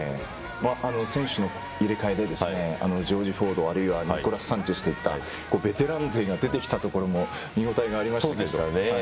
選手の入れ替えでジョージ・フォード、あるいはニコラス・サンチェスといったベテラン勢が出てきたところも見応えがありましたね。